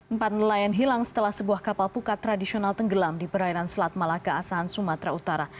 empat nelayan hilang setelah sebuah kapal pukat tradisional tenggelam di perairan selat malaka asahan sumatera utara